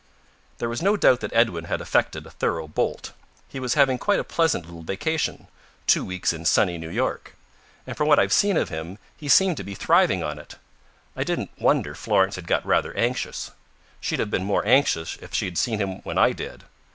There was no doubt that Edwin had effected a thorough bolt. He was having quite a pleasant little vacation: Two Weeks in Sunny New York. And from what I'd seen of him, he seemed to be thriving on it. I didn't wonder Florence had got rather anxious. She'd have been more anxious if she had seen him when I did.